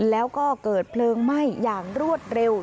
แล้วก็เกิดเพลิงไหม้อย่างรวดเร็ว